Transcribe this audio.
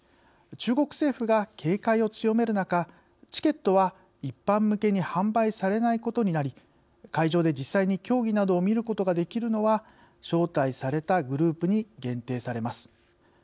中国政府が警戒を強める中チケットは一般向けに販売されないことになり会場で実際に競技などを見ることができるのは招待されたグループに限定されます。